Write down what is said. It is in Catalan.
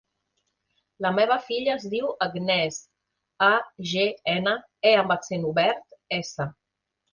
La meva filla es diu Agnès: a, ge, ena, e amb accent obert, essa.